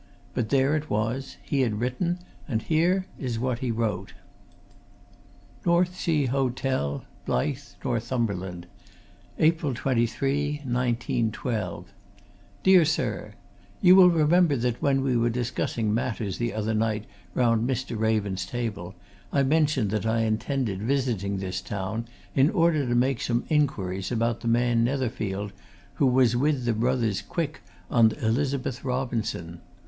But there it was he had written, and here is what he wrote: "NORTH SEA HOTEL, "BLYTH, NORTHUMBERLAND "April 23, 1912 "Dear Sir: "You will remember that when we were discussing matters the other night round Mr. Raven's table I mentioned that I intended visiting this town in order to make some inquiries about the man Netherfield who was with the brothers Quick on the Elizabeth Robinson.